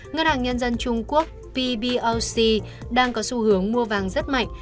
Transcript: ngân hàng nhân dân trung quốc pboc đang có xu hướng mua vàng rất mạnh